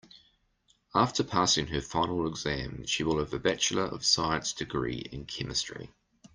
After passing her final exam she will have a bachelor of science degree in chemistry.